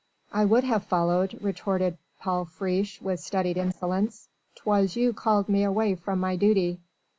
"I would have followed," retorted Paul Friche with studied insolence; "'twas you called me away from my duty."